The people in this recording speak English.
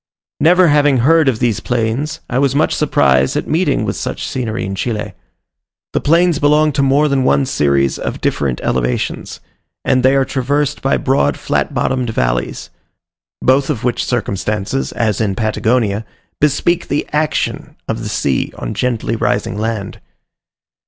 Never having heard of these plains, I was much surprised at meeting with such scenery in Chile. The plains belong to more than one series of different elevations, and they are traversed by broad flat bottomed valleys; both of which circumstances, as in Patagonia, bespeak the action of the sea on gently rising land.